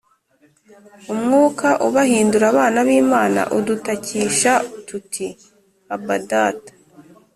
Umwuka ubahindura abana b'Imana, udutakisha tuti: Aba, Data!